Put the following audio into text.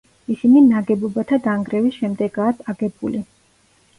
ისინი ნაგებობათა დანგრევის შემდეგაა აგებული.